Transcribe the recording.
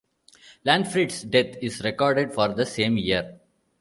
Lantfrid's death is recorded for the same year.